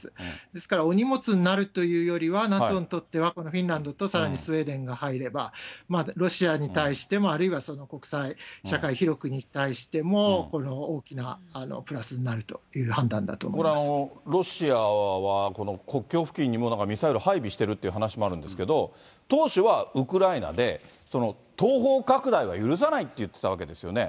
ですからお荷物になるというよりは、ＮＡＴＯにとってはこのフィンランドとさらにスウェーデンが入れば、ロシアに対しても、あるいは国際社会広くに対しても、この大きなプラスになるという判これ、ロシアは国境付近にもミサイル配備してるっていう話もあるんですけど、当初はウクライナで東方拡大は許さないって言っていたわけですよね。